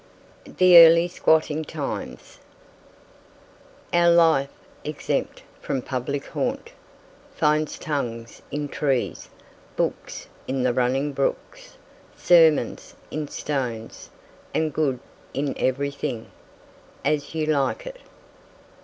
THE EARLY SQUATTING TIMES. "Our life, exempt from public haunt, Finds tongues in trees, books in the running brooks, Sermons in stones, and good in everything." As You Like It.